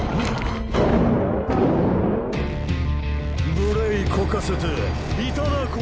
ぶれいこかせていただこう！